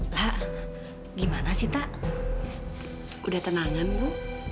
lah gimana sita udah tenangan bu